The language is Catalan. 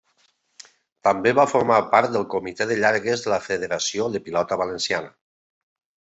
També va formar part del Comité de Llargues de la Federació de Pilota Valenciana.